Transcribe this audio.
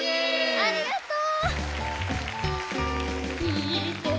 ありがとう！